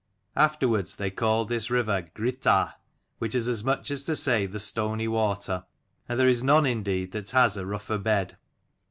Afterwards they called this river Grit a, which is as much as to say the Stony water; and there is none indeed that has a rougher bed.